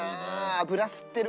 油吸ってる。